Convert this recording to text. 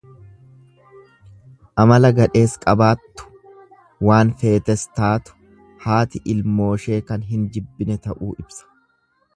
Amala gadhees qabaattu; waan feetes taatu haati ilmooshee kan hin jibbine ta'uu ibsa.